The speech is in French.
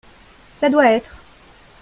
Ça doit être.